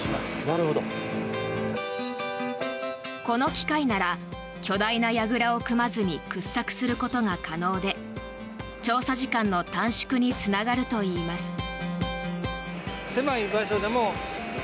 この機械なら巨大なやぐらを組まずに掘削することが可能で調査時間の短縮につながるといいます。